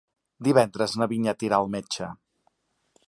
Divendres na Vinyet irà al metge.